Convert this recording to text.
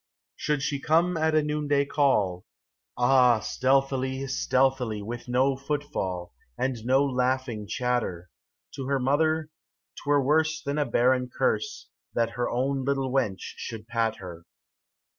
Should she come at a noonday call, Ah, stealthy, stealthy, with no footfall, And no laughing chatter. To her mother 'twere worse Than a barren curse That her own little wench should pat her.